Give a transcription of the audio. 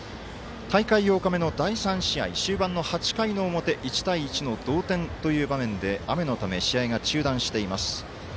大会８日目の第３試合終盤の８回の表１対１の同点という場面で雨のため、試合が中断しています。